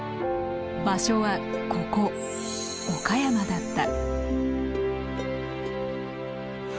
場所はここ岡山だった。